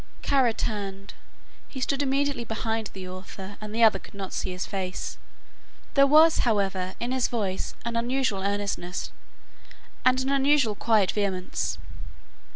Kara turned. He stood immediately behind the author and the other could not see his face. There was, however, in his voice an unusual earnestness and an unusual quiet vehemence.